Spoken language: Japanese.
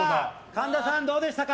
神田さん、どうでしたか？